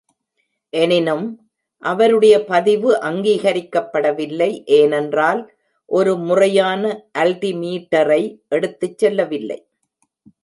எனினும், அவருடைய பதிவு அங்கீகரிக்கப்படவில்லை, ஏனென்றால் ஒரு முறையான அல்டிமீட்டரை எடுத்துச் செல்லவில்லை.